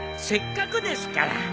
せっかくですから。